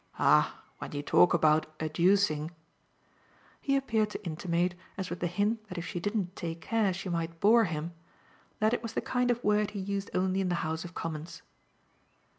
"Ah when you talk about 'adducing' !" He appeared to intimate as with the hint that if she didn't take care she might bore him that it was the kind of word he used only in the House of Commons.